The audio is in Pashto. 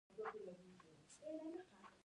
افغانستان د هرات له پلوه متنوع دی.